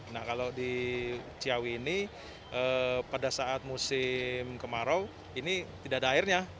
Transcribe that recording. nah kalau di ciawi ini pada saat musim kemarau ini tidak ada airnya